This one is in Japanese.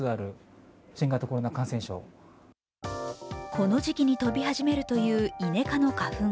この時期に飛び始めるというイネ科の花粉。